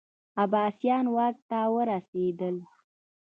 عباسیان واک ته ورسېدل